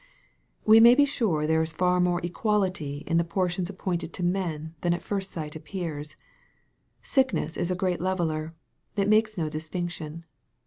We may be sure there is far more equality in the por tions appointed to men than at first sight appears. Sick ness is a great leveller. It makes no distinction.